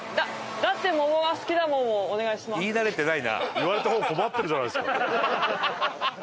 言われた方困ってるじゃないですか。